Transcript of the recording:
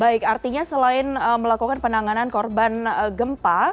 baik artinya selain melakukan penanganan korban gempa